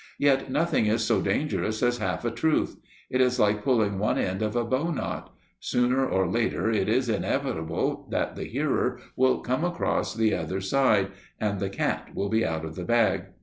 Yet nothing is so dangerous as half a truth. It is like pulling one end of a bow knot. Sooner or later it is inevitable that the hearer will come across the other side, and the cat will be out of the bag.